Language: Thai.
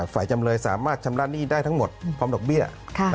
จำเลยสามารถชำระหนี้ได้ทั้งหมดพร้อมดอกเบี้ย